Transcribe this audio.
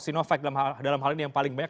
sinovac dalam hal ini yang paling banyak